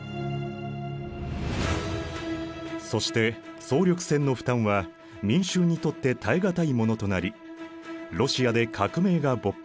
そして総力戦の負担は民衆にとって耐え難いものとなりロシアで革命が勃発。